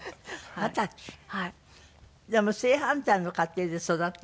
でも正反対の家庭で育ったんですって？